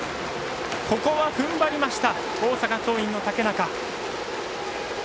ここは踏ん張りました大阪桐蔭の竹中。